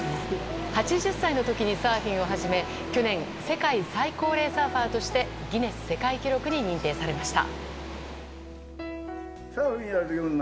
８０歳の時にサーフィンを始め去年世界最高齢サーファーとしてギネス世界記録に認定されました。